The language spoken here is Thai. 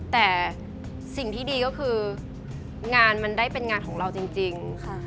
แต่สิ่งที่ดีก็คืองานมันได้เป็นงานของเราจริง